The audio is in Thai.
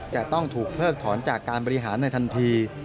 จะต้องถูกเพิกถอนจากการบริหารในทันที